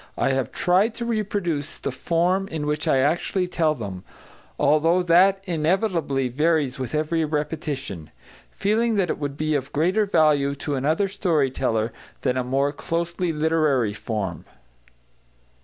I have tried to reproduce the form in which I actually tell them, although that inevitably varies with every repetition, feeling that it would be of greater value to another story teller than a more closely literary form.